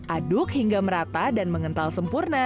aduk hingga merata dan mengental sempurna